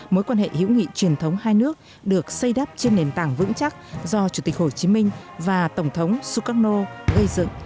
mối quan hệ hữu nghị truyền thống hai nước được xây đắp trên nền tảng vững chắc do chủ tịch hồ chí minh và tổng thống sukarno gây dựng